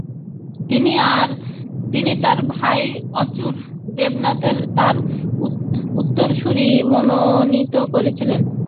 তিনি তার ভাই অচ্যুত দেবরায়কে তাঁর উত্তরসূরি মনোনীত করেছিলেন।